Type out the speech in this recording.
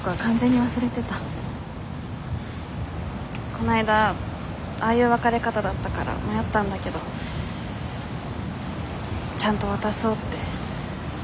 こないだああいう別れ方だったから迷ったんだけどちゃんと渡そうって。